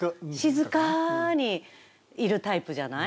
静かーにいるタイプじゃない？